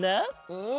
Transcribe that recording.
うん。